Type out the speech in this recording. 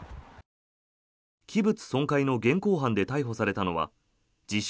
器物損壊の現行犯で逮捕されたのは自称